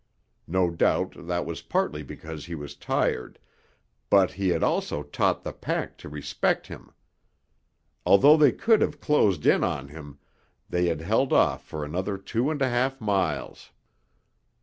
No doubt that was partly because he was tired, but he had also taught the pack to respect him. Although they could have closed in on him, they had held off for another two and a half miles.